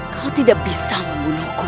kau tidak bisa membunuhku